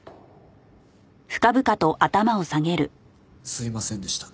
すいませんでした。